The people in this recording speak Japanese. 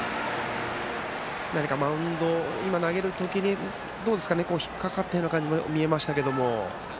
何かマウンド、投げる時に引っ掛かったような感じにも見えましたけれども。